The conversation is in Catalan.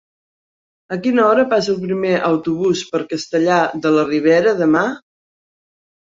A quina hora passa el primer autobús per Castellar de la Ribera demà?